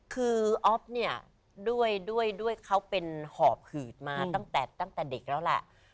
คืออ๊อฟเนี่ยด้วยเขาเป็นหอบหืดมาตั้งแต่เด็กแล้วแหละ